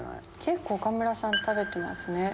結構岡村さん食べてますね。